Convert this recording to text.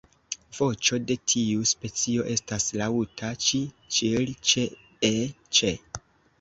Voĉo de tiu specio estas laŭta "ĉi-ĉil-ĉee-ĉe".